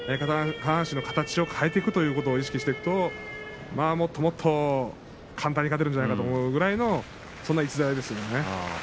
下半身の形を変えていくということを意識していくともっともっと簡単に勝てるんじゃないかと思うぐらいのそんな逸材ですね。